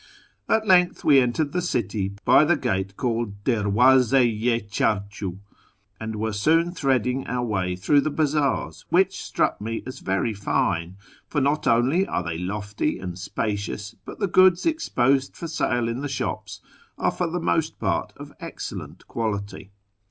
At length we entered the city by the gate called Derwaz(5 i Chiirchii, and were soon threading our ways through the bazaars, which struck rae as very fine ; for not only are they lofty and spacious, but the goods exposed for sale in the shops are for the most part of excellent quality.